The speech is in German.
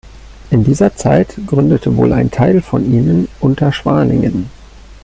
In dieser Zeit gründete wohl ein Teil von ihnen Unterschwaningen.